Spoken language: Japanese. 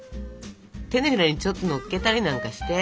手のひらにちょっとのっけたりなんかして。